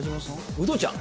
ウドちゃん？